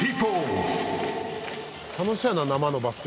楽しそうやな生のバスケ。